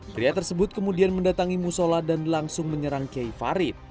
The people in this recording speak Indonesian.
pria tersebut kemudian mendatangi musola dan langsung menyerang kiai farid